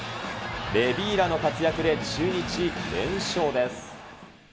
レビーラの活躍で、中日、連勝です。